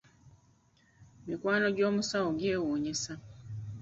Mikwano gy'omusawo gyewuunyisa.